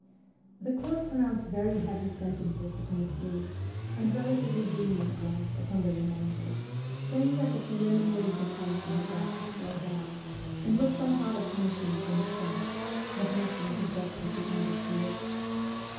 The court pronounced very heavy sentences upon a few, and relatively lenient ones upon the remainder ; saying that the preliminary detention had lasted so long, and was so hard a punishment in itself, that nothing could justly be added to it.